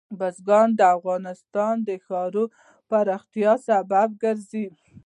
بزګان د افغانستان د ښاري پراختیا سبب کېږي.